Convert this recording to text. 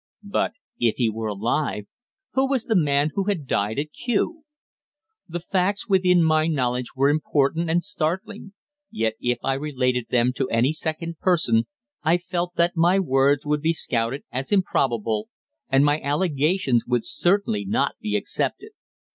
But if he were alive, who was the man who had died at Kew? The facts within my knowledge were important and startling; yet if I related them to any second person I felt that my words would be scouted as improbable, and my allegations would certainly not be accepted.